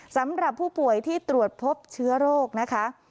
สำหรับผู้ป่วยที่ตรวจพบเชื้อโรคนะคะ